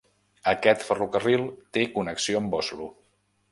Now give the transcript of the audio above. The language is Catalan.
Aquest ferrocarril té connexió amb Oslo.